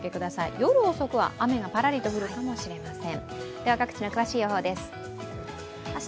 夜遅くは雨がパラリと降るかもしれません。